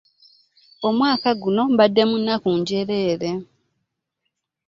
Omwaka guno mbadde mu nnaku njereere.